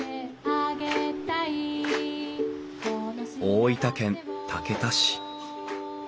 大分県竹田市。